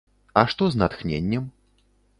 А што з натхненнем?